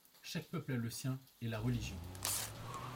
Chaque peuple a le sien ; et la religion